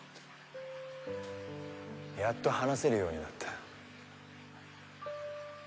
やっと話せるようになった。